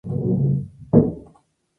Nye se describe como agnóstico.